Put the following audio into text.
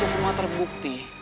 dan itu semua terbukti